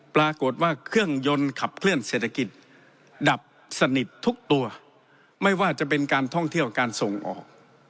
ปรากฏว่าเครื่องยนต์ขับเคลื่อนเศรษฐกิจดับสนิททุกตัวไม่ว่าจะเป็นการท่องเที่ยวการส่งออก